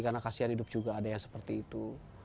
karena kasihan hidup juga ada yang seperti itu